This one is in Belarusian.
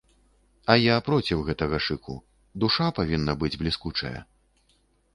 А я проціў гэтага шыку, душа павінна быць бліскучая!